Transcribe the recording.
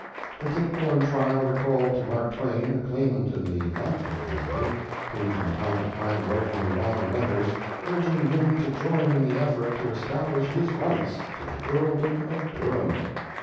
The Tichborne trial recalled to Mark Twain the claimant in the Lampton family, who from time to time wrote him long letters, urging him to join in the effort to establish his rights to the earldom of Durham.